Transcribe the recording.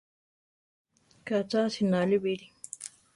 Ka cha asináli bíri!